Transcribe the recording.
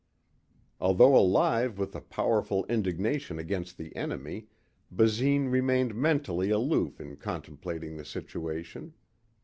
Although alive with a powerful indignation against the enemy, Basine remained mentally aloof in contemplating the situation.